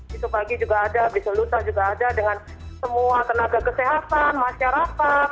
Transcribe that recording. besok pagi juga ada besok lusa juga ada dengan semua tenaga kesehatan masyarakat